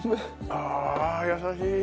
ああ優しい。